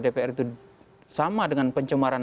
dpr itu sama dengan pencemaran